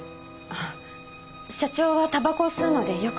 社長はタバコを吸うのでよく開けてました。